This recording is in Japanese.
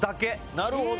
なるほど。